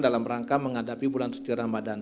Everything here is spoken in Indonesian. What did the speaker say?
dalam rangka menghadapi bulan suci ramadan